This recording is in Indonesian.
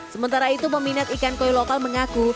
sementara itu peminat ikan koi lokal mengaku